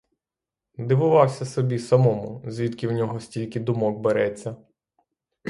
Дивувався собі самому, звідки в нього стільки думок береться.